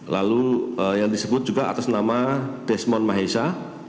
lalu yang disebut juga atas nama desmond mahesa